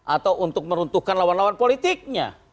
atau untuk meruntuhkan lawan lawan politiknya